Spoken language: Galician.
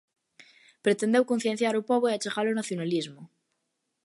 Pretendeu concienciar o pobo e achegalo ao nacionalismo.